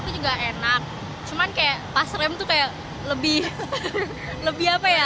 itu juga enak cuman kayak pas rem tuh kayak lebih lebih apa ya